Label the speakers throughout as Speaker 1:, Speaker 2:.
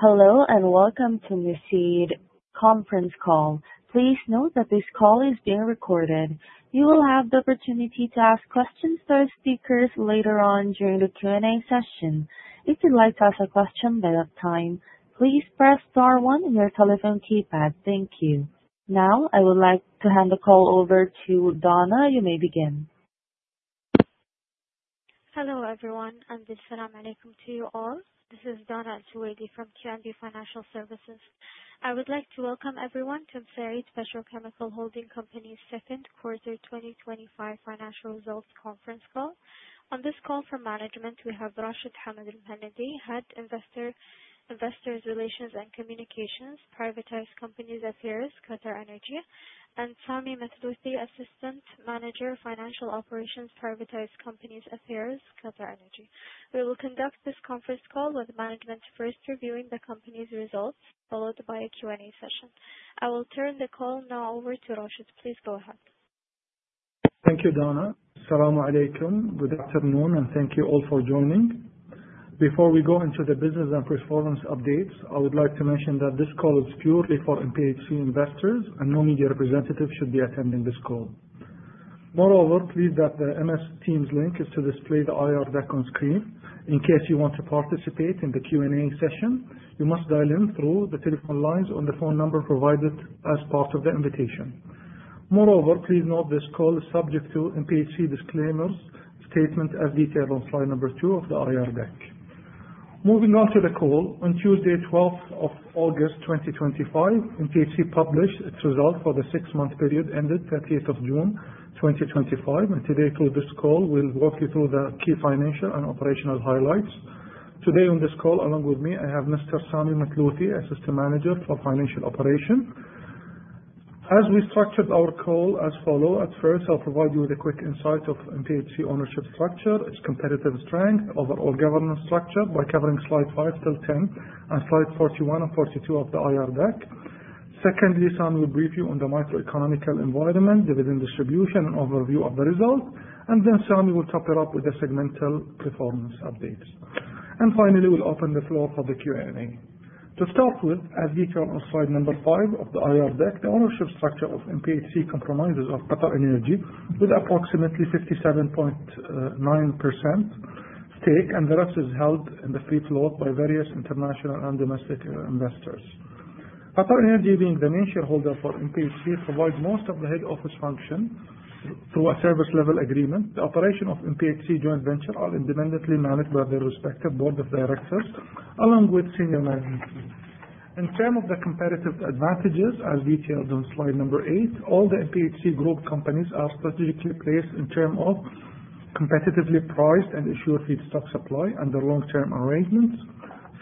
Speaker 1: Hello, welcome to Mesaieed conference call. Please note that this call is being recorded. You will have the opportunity to ask questions to our speakers later on during the Q&A session. If you'd like to ask a question by that time, please press star one on your telephone keypad. Thank you. Now, I would like to hand the call over to Donna. You may begin.
Speaker 2: Hello, everyone, peace be upon you to you all. This is Donna Al-Suwaidi from QNB Financial Services. I would like to welcome everyone to Mesaieed Petrochemical Holding Company's second quarter 2025 financial results conference call. On this call for management, we have Rashid Hamad Al-Mohannadi, Head, Investor Relations and Communications, Privatized Companies Affairs, QatarEnergy, and Sami Mathlouthi, Assistant Manager, Financial Operations, Privatized Companies Affairs, QatarEnergy. We will conduct this conference call with management first reviewing the company's results, followed by a Q&A session. I will turn the call now over to Rashed. Please go ahead.
Speaker 3: Thank you, Donna. Peace be upon you. Good afternoon, thank you all for joining. Before we go into the business and performance updates, I would like to mention that this call is purely for MPHC investors, no media representatives should be attending this call. Please note that the MS Teams link is to display the IR deck on screen. In case you want to participate in the Q&A session, you must dial in through the telephone lines on the phone number provided as part of the invitation. Please note this call is subject to MPHC disclaimer's statement as detailed on slide number two of the IR deck. Moving on to the call. On Tuesday, 12th of August 2025, MPHC published its results for the 6-month period ended 30 of June 2025. Today through this call, we'll walk you through the key financial and operational highlights. Today on this call along with me, I have Mr. Sami Mathlouthi, Assistant Manager for Financial Operations. As we structured our call as follows. At first, I'll provide you with a quick insight of MPHC ownership structure, its competitive strength, overall governance structure by covering slides 5 till 10, slides 41 and 42 of the IR deck. Secondly, Sami will brief you on the macroeconomic environment, dividend distribution, and overview of the results. Sami will top it up with the segmental performance updates. Finally, we'll open the floor for the Q&A. To start with, as detailed on slide number five of the IR deck, the ownership structure of MPHC comprises of QatarEnergy with approximately 57.9% stake, the rest is held in the free float by various international and domestic investors. QatarEnergy, being the main shareholder for MPHC, provides most of the head office function through a service level agreement. The operation of MPHC joint venture are independently managed by the respective board of directors, along with senior management. In term of the competitive advantages, as detailed on slide number eight, all the MPHC group companies are strategically placed in term of competitively priced and secure feedstock supply under long-term arrangements,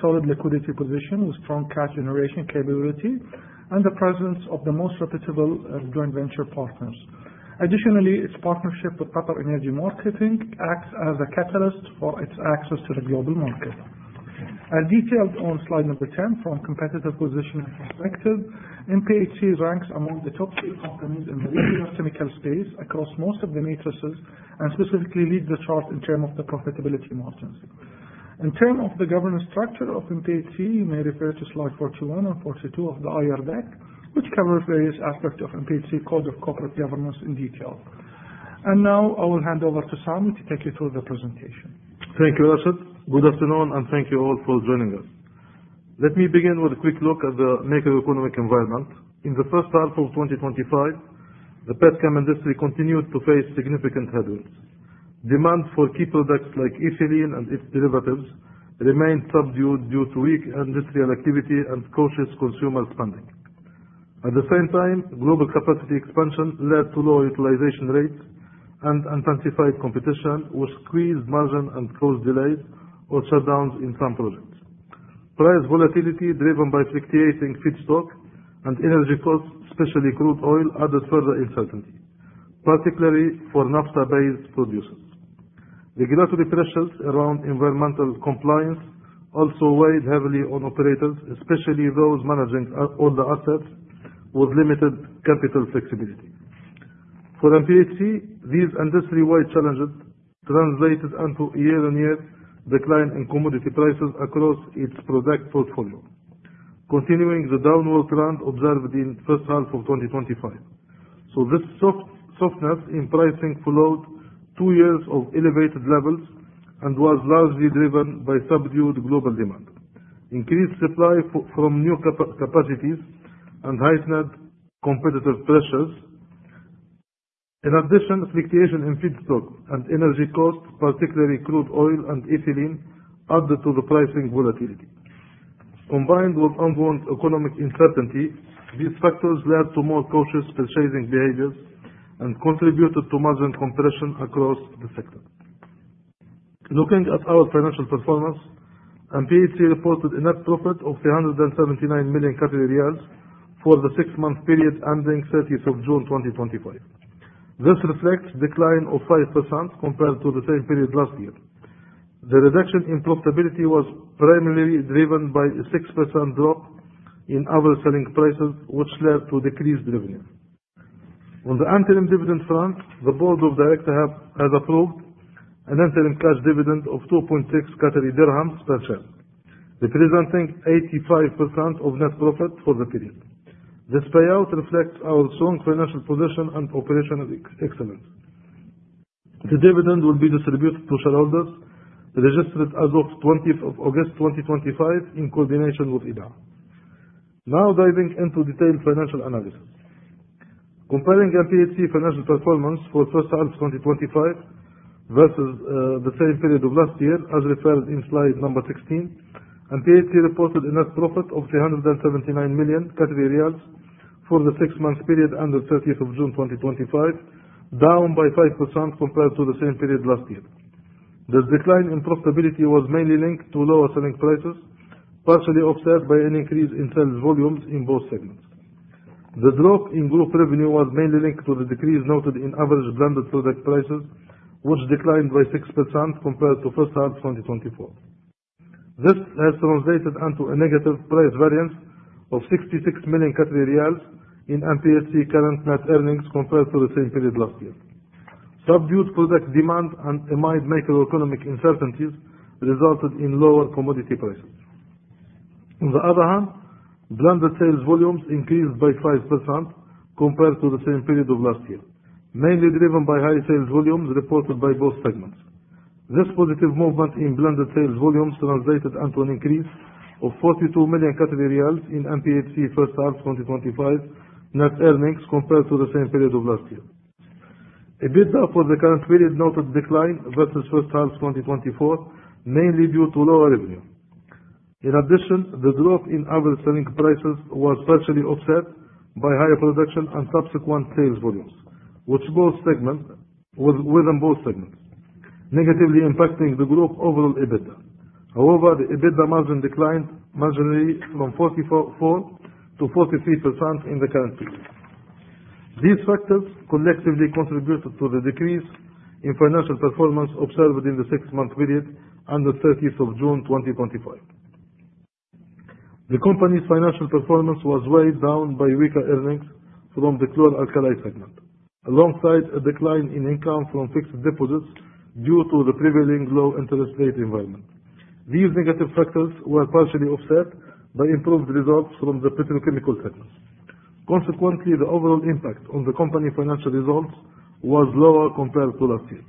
Speaker 3: solid liquidity position with strong cash generation capability, and the presence of the most reputable joint venture partners. Additionally, its partnership with QatarEnergy Marketing acts as a catalyst for its access to the global market. As detailed on slide 10 for our competitive position and perspective, MPHC ranks among the top three companies in the regional chemical space across most of the metrics, and specifically leads the chart in term of the profitability margins. In term of the governance structure of MPHC, you may refer to slide 41 and 42 of the IR deck, which covers various aspects of MPHC code of corporate governance in detail. Now, I will hand over to Sami to take you through the presentation.
Speaker 4: Thank you, Rashed. Good afternoon, and thank you all for joining us. Let me begin with a quick look at the macroeconomic environment. In the first half of 2025, the petchem industry continued to face significant headwinds. Demand for key products like ethylene and its derivatives remained subdued due to weak industrial activity and cautious consumer spending. At the same time, global capacity expansion led to low utilization rates and intensified competition, which squeezed margin and caused delays or shutdowns in some projects. Price volatility driven by fluctuating feedstock and energy costs, especially crude oil, added further uncertainty, particularly for naphtha-based producers. Regulatory pressures around environmental compliance also weighed heavily on operators, especially those managing older assets with limited capital flexibility. For MPHC, these industry-wide challenges translated into year-on-year decline in commodity prices across its product portfolio, continuing the downward trend observed in the first half of 2025. This softness in pricing followed two years of elevated levels and was largely driven by subdued global demand, increased supply from new capacities, and heightened competitive pressures. In addition, fluctuation in feedstock and energy costs, particularly crude oil and ethylene, added to the pricing volatility. Combined with ongoing economic uncertainty, these factors led to more cautious purchasing behaviors and contributed to margin compression across the sector. Looking at our financial performance, MPHC reported a net profit of 379 million Qatari riyals for the six-month period ending 30th of June 2025. This reflects decline of 5% compared to the same period last year. The reduction in profitability was primarily driven by a 6% drop in average selling prices, which led to decreased revenue. On the interim dividend front, the board of director has approved an interim cash dividend of QAR 0.026 per share, representing 85% of net profit for the period. This payout reflects our strong financial position and operational excellence. The dividend will be distributed to shareholders registered as of 20th of August 2025, in coordination with Edaa. Now diving into detailed financial analysis. Comparing MPHC financial performance for first half 2025 versus the same period of last year, as referred in slide number 16, MPHC reported a net profit of 379 million riyals for the six-month period ended 30th of June 2025, down by 5% compared to the same period last year. This decline in profitability was mainly linked to lower selling prices, partially offset by an increase in sales volumes in both segments. The drop in group revenue was mainly linked to the decrease noted in average blended product prices, which declined by 6% compared to first half 2024. This has translated into a negative price variance of 66 million Qatari riyals in MPHC current net earnings compared to the same period last year. Subdued product demand amidst macroeconomic uncertainties resulted in lower commodity prices. On the other hand, blended sales volumes increased by 5% compared to the same period of last year, mainly driven by high sales volumes reported by both segments. This positive movement in blended sales volumes translated into an increase of 42 million Qatari riyals in MPHC first half 2025 net earnings compared to the same period of last year. EBITDA for the current period noted decline versus first half 2024, mainly due to lower revenue. In addition, the drop in average selling prices was partially offset by higher production and subsequent sales volumes within both segments, negatively impacting the group overall EBITDA. However, the EBITDA margin declined marginally from 44%-43% in the current period. These factors collectively contributed to the decrease in financial performance observed in the six-month period under 30th of June 2025. The company's financial performance was weighed down by weaker earnings from the Chlor-Alkali segment, alongside a decline in income from fixed deposits due to the prevailing low interest rate environment. These negative factors were partially offset by improved results from the Petrochemical segment. Consequently, the overall impact on the company financial results was lower compared to last year.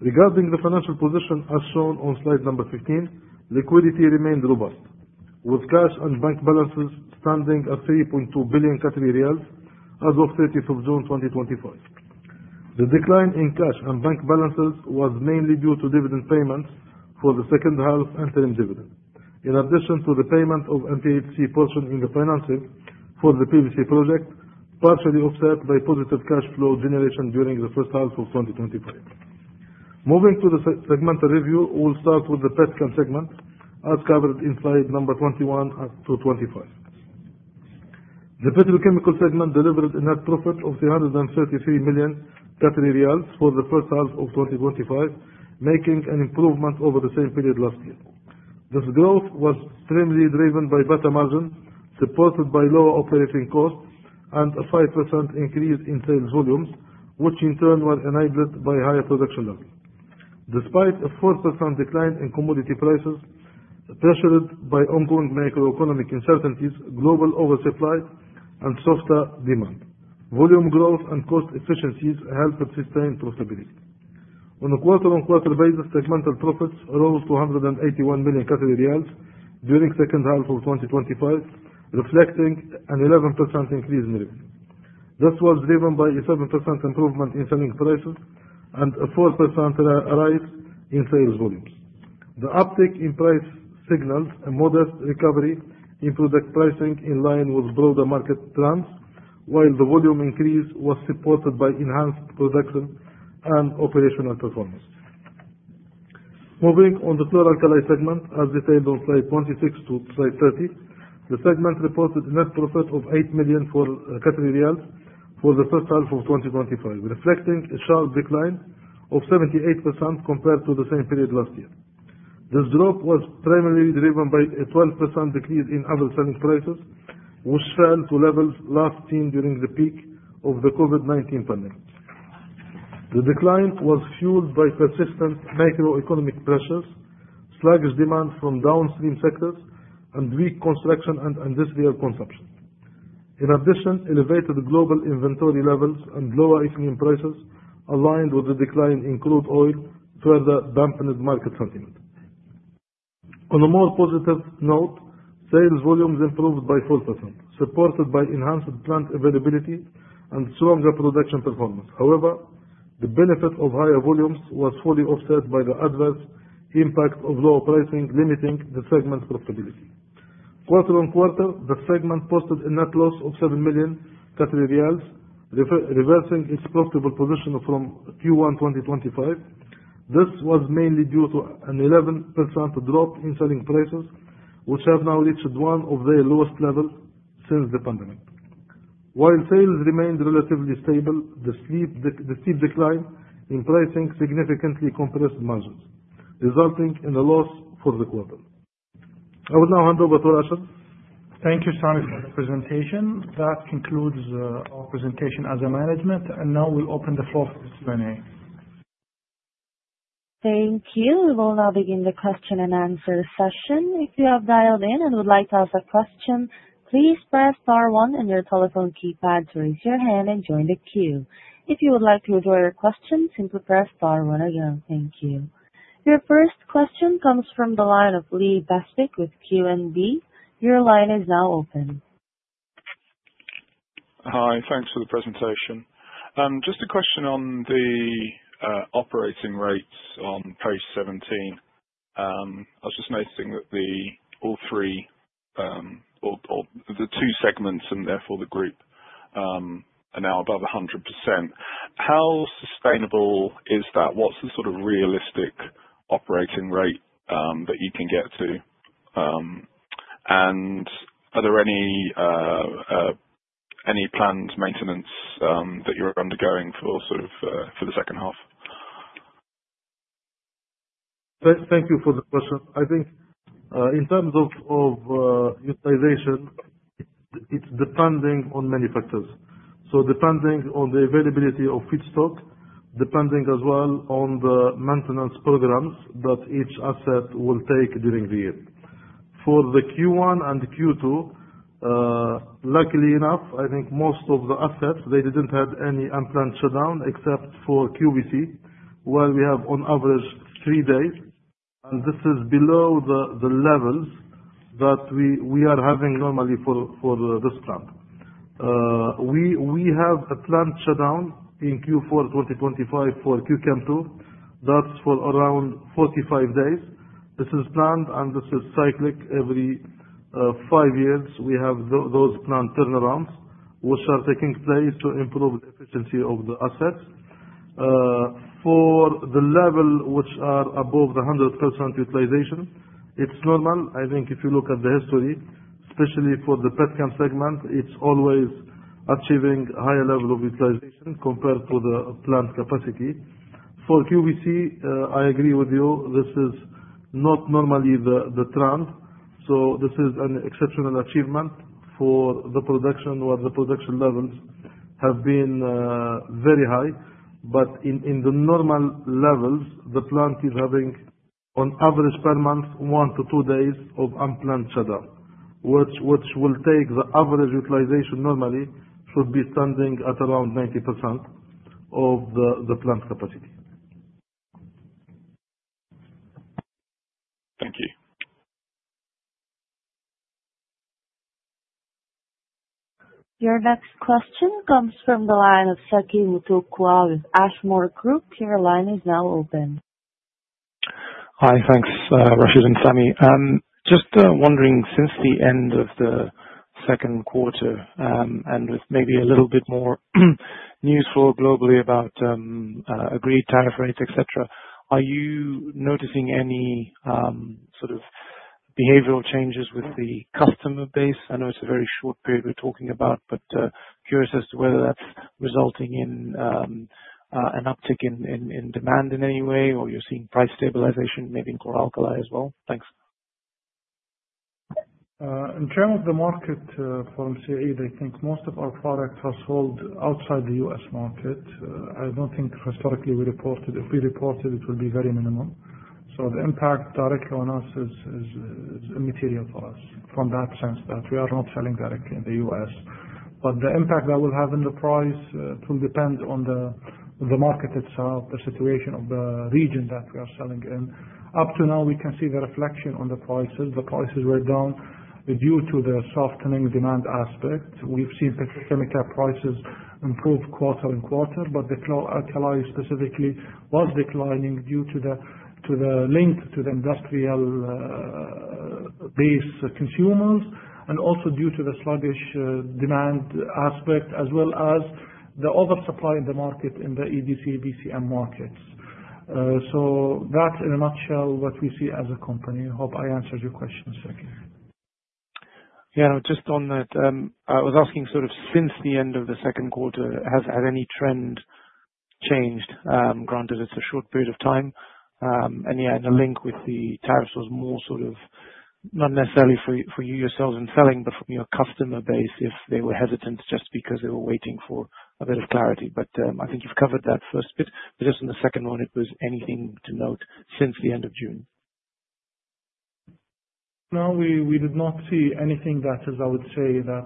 Speaker 4: Regarding the financial position, as shown on slide number 15, liquidity remained robust, with cash and bank balances standing at 3.2 billion Qatari riyals as of 30th of June 2025. The decline in cash and bank balances was mainly due to dividend payments for the second half interim dividend, in addition to the payment of MPHC portion in the financing for the PVC project, partially offset by positive cash flow generation during the first half of 2025. Moving to the segmental review, we'll start with the Petrochemical segment as covered in slide number 21 through 25. The Petrochemical segment delivered a net profit of 333 million for the first half of 2025, making an improvement over the same period last year. This growth was primarily driven by better margin, supported by lower operating costs, and a 5% increase in sales volumes, which in turn were enabled by higher production levels. Despite a 4% decline in commodity prices, pressured by ongoing macroeconomic uncertainties, global oversupply, and softer demand. Volume growth and cost efficiencies helped sustain profitability. On a quarter-on-quarter basis, segmental profits rose to 181 million Qatari riyals during second half of 2025, reflecting an 11% increase yearly. This was driven by a 7% improvement in selling prices and a 4% rise in sales volumes. The uptick in price signals a modest recovery in product pricing in line with broader market trends, while the volume increase was supported by enhanced production and operational performance. Moving on the Chlor-Alkali segment, as detailed on slide 26 to slide 30, the segment reported net profit of 8 million for the first half of 2025, reflecting a sharp decline of 78% compared to the same period last year. This drop was primarily driven by a 12% decrease in average selling prices, which fell to levels last seen during the peak of the COVID-19 pandemic. The decline was fueled by persistent macroeconomic pressures, sluggish demand from downstream sectors, and weak construction and industrial consumption. In addition, elevated global inventory levels and lower ethylene prices aligned with the decline in crude oil further dampened market sentiment. On a more positive note, sales volumes improved by 4%, supported by enhanced plant availability and stronger production performance. However, the benefit of higher volumes was fully offset by the adverse impact of lower pricing, limiting the segment's profitability. Quarter-on-quarter, the segment posted a net loss of 7 million Qatari riyals, reversing its profitable position from Q1 2025. This was mainly due to an 11% drop in selling prices, which have now reached one of their lowest levels since the pandemic. While sales remained relatively stable, the steep decline in pricing significantly compressed margins, resulting in a loss for the quarter.
Speaker 3: Thank you, Sami, for the presentation. That concludes our presentation as a management, now we open the floor for Q&A.
Speaker 1: Thank you. We will now begin the question and answer session. If you have dialed in and would like to ask a question, please press star one on your telephone keypad to raise your hand and join the queue. If you would like to withdraw your question, simply press star one again. Thank you. Your first question comes from the line of Lee Bastick with QNB. Your line is now open.
Speaker 5: Hi, thanks for the presentation. Just a question on the operating rates on page 17. I was just noticing that all three, or the two segments and therefore the group, are now above 100%. How sustainable is that? What's the sort of realistic operating rate that you can get to? Are there any planned maintenance that you're undergoing for the second half?
Speaker 3: Thank you for the question. I think, in terms of utilization, it's depending on many factors. Depending on the availability of feedstock, depending as well on the maintenance programs that each asset will take during the year. For the Q1 and Q2, luckily enough, I think most of the assets, they didn't have any unplanned shutdown except for QVC, where we have on average three days, and this is below the levels that we are having normally for this plant. We have a planned shutdown in Q4 2025 for QChem 2. That's for around 45 days. This is planned and this is cyclic. Every five years, we have those planned turnarounds, which are taking place to improve the efficiency of the assets. For the level which are above the 100% utilization, it's normal. I think if you look at the history, especially for the petchem segment, it's always achieving a higher level of utilization compared to the plant capacity. For QVC, I agree with you, this is not normally the trend, so this is an exceptional achievement for the production levels have been very high. In the normal levels, the plant is having on average per month, one to two days of unplanned shutdown. Which will take the average utilization normally should be standing at around 90% of the plant capacity.
Speaker 5: Thank you.
Speaker 1: Your next question comes from the line of Saki Muthukumar with Ashmore Group. Your line is now open.
Speaker 6: Hi. Thanks, Rashed and Sami. Wondering, since the end of the second quarter, and with maybe a little bit more news flow globally about agreed tariff rates, et cetera, are you noticing any sort of behavioral changes with the customer base? I know it's a very short period we're talking about. Curious as to whether that's resulting in an uptick in demand in any way, or you're seeing price stabilization, maybe in Chlor-Alkali as well? Thanks.
Speaker 3: In term of the market for MCAE, I think most of our products are sold outside the U.S. market. I don't think historically we reported. If we reported, it will be very minimal. The impact directly on us is immaterial for us from that sense, that we are not selling directly in the U.S. The impact that will have in the price will depend on the market itself, the situation of the region that we are selling in. Up to now, we can see the reflection on the prices. The prices were down due to the softening demand aspect. We've seen petrochemical prices improve quarter and quarter, the Chlor-Alkali specifically was declining due to the link to the industrial base consumers, and also due to the sluggish demand aspect, as well as the oversupply in the market in the EDC/VCM markets. That, in a nutshell, what we see as a company. Hope I answered your question, Saki.
Speaker 6: Just on that, I was asking sort of since the end of the second quarter, has any trend changed, granted it's a short period of time. The link with the tariffs was more sort of not necessarily for you yourselves in selling, but from your customer base if they were hesitant just because they were waiting for a bit of clarity. I think you've covered that first bit. Just on the second one, if there's anything to note since the end of June.
Speaker 3: We did not see anything that is, I would say, that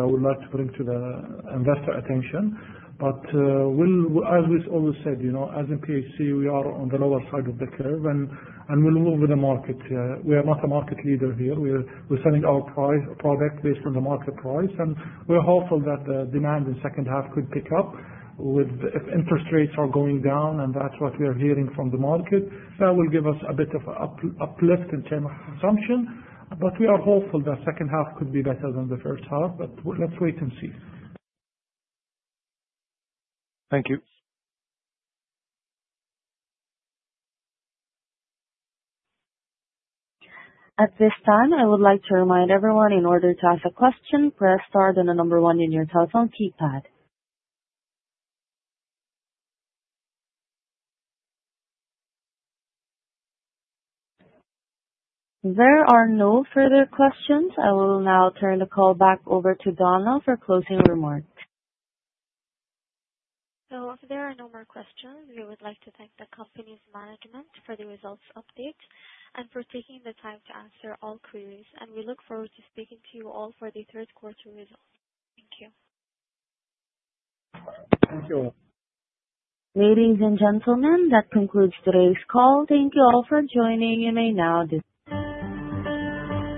Speaker 3: I would like to bring to the investor attention. As we always said, as in PAC, we'll move with the market. We are not a market leader here. We're selling our product based on the market price, and we're hopeful that the demand in the second half could pick up if interest rates are going down, and that's what we are hearing from the market. That will give us a bit of uplift in terms of consumption. We are hopeful that second half could be better than the first half, let's wait and see.
Speaker 6: Thank you.
Speaker 1: At this time, I would like to remind everyone in order to ask a question, press star then the number one in your telephone keypad. There are no further questions. I will now turn the call back over to Donna for closing remarks.
Speaker 2: If there are no more questions, we would like to thank the company's management for the results update and for taking the time to answer all queries. We look forward to speaking to you all for the third quarter results. Thank you.
Speaker 3: Thank you.
Speaker 1: Ladies and gentlemen, that concludes today's call. Thank you all for joining.